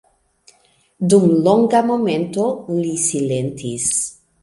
Dum longa momento li silentis.